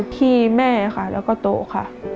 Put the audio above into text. ที่แม่ค่ะแล้วก็โต๊ะค่ะ